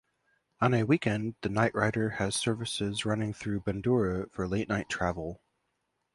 On a weekend the Nightrider has services running through Bundoora for late night travel.